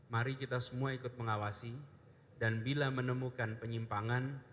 mari kita semua ikut mengawasi dan bila menemukan penyimpangan